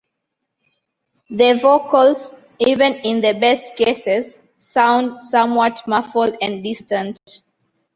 The vocals, even in the best cases, sound "somewhat muffled and distant".